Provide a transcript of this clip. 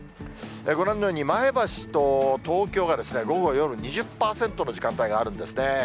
ご覧のように、前橋と東京が午後、夜２０％の時間帯があるんですね。